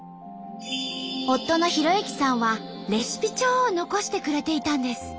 夫の弘之さんはレシピ帳を残してくれていたんです。